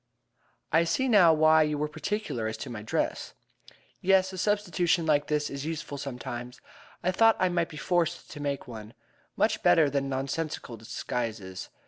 "I see now why you were particular as to my dress." "Yes, a substitution like this is useful sometimes. I thought I might be forced to make one. Much better than nonsensical disguises.